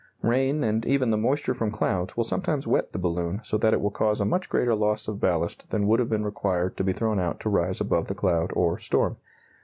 Rain and even the moisture from clouds will sometimes wet the balloon so that it will cause a much greater loss of ballast than would have been required to be thrown out to rise above the cloud or storm.